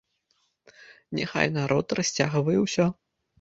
Няхай народ расцягвае ўсё.